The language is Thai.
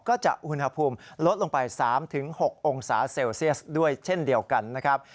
ก็จะอุณหภูมิลดลงไป๓๖องศาเซลเซียสด้วยเช่นเดียวกันนะครับ